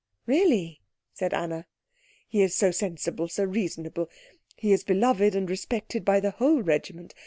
"Really?" said Anna. "He is so sensible, so reasonable; he is beloved and respected by the whole regiment.